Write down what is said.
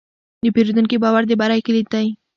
د پیرودونکي باور د بری کلید دی.